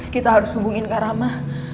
kita harus hubungin kak rama